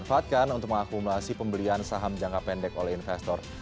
ihsg juga memiliki keuntungan untuk mengakumulasi pembelian saham jangka pendek oleh investor